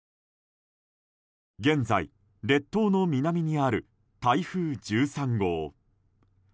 現在、列島の南にある台風１３号。